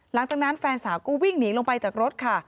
หลังจากนั้นแฟนสาวก็วิ่งหนีลงไปจากรถค่ะ